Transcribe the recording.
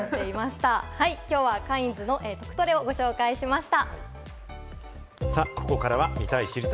きょうはカインズのトクトレをご紹介しました。